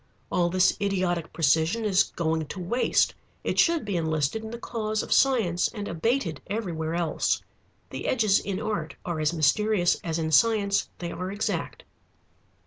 All this idiotic precision is going to waste. It should be enlisted in the cause of science and abated everywhere else. The edges in art are as mysterious as in science they are exact.